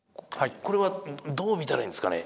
これはどう見たらいいんですかね？